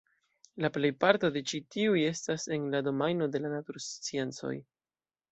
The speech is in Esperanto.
La plejparto de ĉi tiuj estas en la domajno de la natursciencoj.